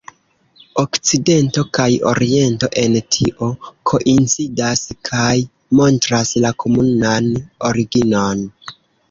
Okcidento kaj Oriento en tio koincidas kaj montras la komunan originon.